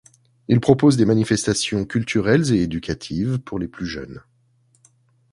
Il propose des manifestations culturelles et éducatives pour les plus jeunes.